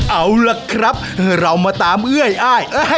เอาล่ะครับเรามาตามเอื้อยอ้าย